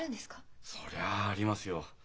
そりゃあありますよ。